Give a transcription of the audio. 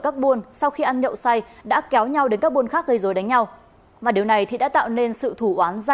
cợi nhau đánh nhau